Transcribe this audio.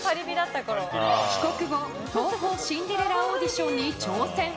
帰国後、東宝シンデレラオーディションに挑戦。